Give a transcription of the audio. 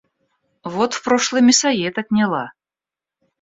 Вот в прошлый мясоед отняла.